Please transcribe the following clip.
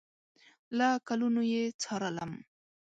له کلونو یې څارلم